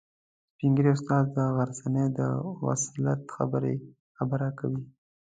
سپین ږیری استاد د غرڅنۍ د وصلت خبره کوي.